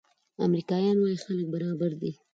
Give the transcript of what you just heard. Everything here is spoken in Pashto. امریکایان وايي خلک برابر دي.